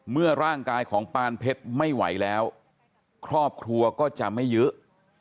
เมื่อร่างกายของปานเพชรไม่ไหวแล้วครอบครัวก็จะไม่เยอะ